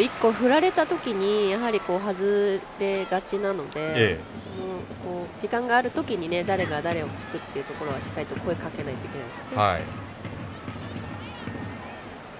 一個、振られたときに外れがちなので時間があるときに誰が誰につくっていうところは声をかけないといけないですね。